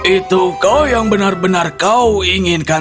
itu kau yang benar benar kau inginkan